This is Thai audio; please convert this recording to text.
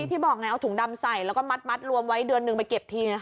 ที่บอกไงเอาถุงดำใส่แล้วก็มัดรวมไว้เดือนหนึ่งไปเก็บที